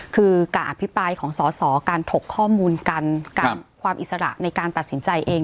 คือการอภิปรายของสอสอการถกข้อมูลกันการความอิสระในการตัดสินใจเอง